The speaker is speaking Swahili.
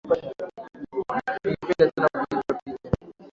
Ningependa sana kupigwa picha.